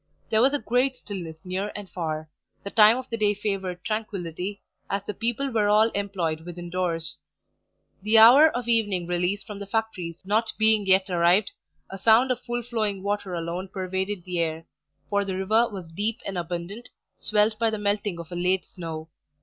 There was a great stillness near and far; the time of the day favoured tranquillity, as the people were all employed within doors, the hour of evening release from the factories not being yet arrived; a sound of full flowing water alone pervaded the air, for the river was deep and abundant, swelled by the melting of a late snow.